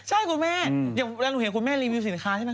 ใช่คุณแม่อย่างเวลาหนูเห็นคุณแม่รีวิวสินค้าใช่ไหม